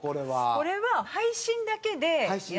これは配信だけでやって。